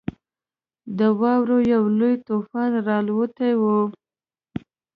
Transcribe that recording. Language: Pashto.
د واورې یو لوی طوفان راالوتی وو.